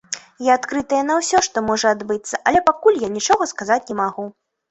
Я адкрытая на ўсё, што можа адбыцца, але пакуль я нічога сказаць не магу.